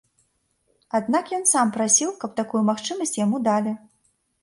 Аднак ён сам прасіў, каб такую магчымасць яму далі.